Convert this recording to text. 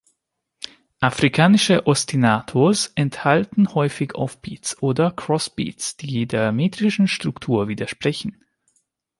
Afrikanische Ostinatos enthalten häufig Offbeats oder Cross-Beats, die der metrischen Struktur widersprechen.